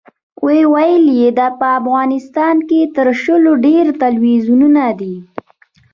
ویل یې په افغانستان کې تر شلو ډېر تلویزیونونه دي.